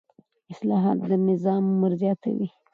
اصلاحات د نظام عمر زیاتوي